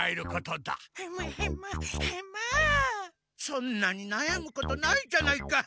そんなになやむことないじゃないか。